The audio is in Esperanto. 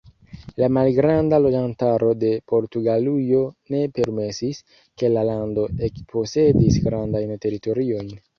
La malgranda loĝantaro de Portugalujo ne permesis, ke la lando ekposedis grandajn teritoriojn.